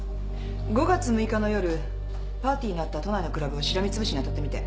５月６日の夜パーティーのあった都内のクラブをしらみつぶしに当たってみて。